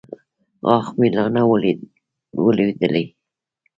غاښ مې لا نه و لوېدلى.